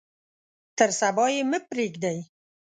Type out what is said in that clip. تر صبا یې مه پریږدئ.